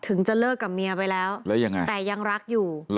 ถึงจะเลิกกับเมียไปแล้วแต่ยังรักอยู่